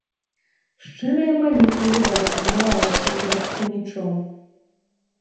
Шчырая малітва, відаць, адбываецца перад панічом.